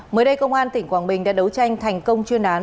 mới đây công an tỉnh quảng bình đã đấu tranh thành công chuyên án